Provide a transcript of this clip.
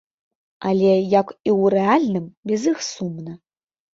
Але, як і ў рэальным, без іх сумна.